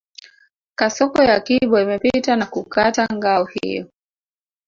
Kasoko ya Kibo imepita na kukata ngao hiyo